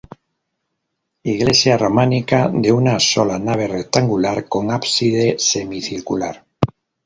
Iglesia románica de una sola nave rectangular, con ábside semicircular.